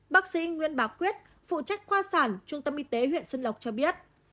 bác sĩ nguyễn bá quyết phụ trách khoa sản trung tâm y tế huyện xuân lộc cho biết